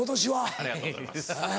ありがとうございます。